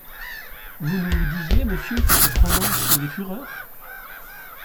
Vous nous disiez, monsieur, que cette romance faisait fureur ?…